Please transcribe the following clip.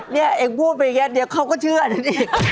เนี่ยเองพูดไปอย่างนี้เดี๋ยวเขาก็เชื่อฉันอีก